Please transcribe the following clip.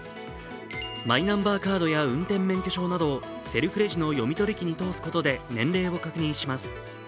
マイナンバーカードや運転免許証などセルフレジの読み取り機に通すことで年齢を確認します。